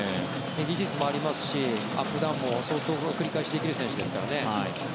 技術もありますしアップダウンも相当、繰り返しできる選手ですからね。